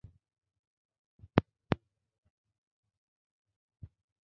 প্রায় দুই সপ্তাহ পেরিয়ে গেলেও এখনো কোনো আশার আলো পাওয়া যায়নি।